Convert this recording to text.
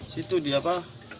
situ di apa